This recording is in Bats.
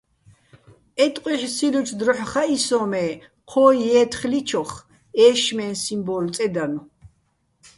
ე ტყუ́ჲჰ̦სილლუჩო̆ დროჰ̦ ხაჸი სოჼ, მე ჴო ჲე́თხლიჩოხ ეშშმეჼ სიმბო́ლო̆ წედანო̆.